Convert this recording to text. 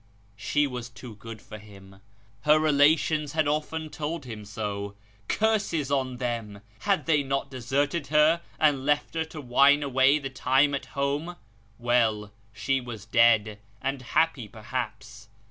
She was too good for him ; her relations had often told him so. Curses on them ! Had they not deserted her, and left her to whine away the time at home ? Well she was dead, and happy perhaps.